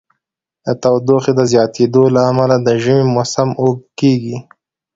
د تودوخې د زیاتیدو له امله د ژمی موسم اوږد کیږي.